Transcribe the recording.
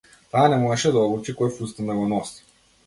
Таа не можеше да одлучи кој фустан да го носи.